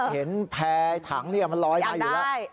เห็นแพรย์ทางมันลอยมาอยู่แล้ว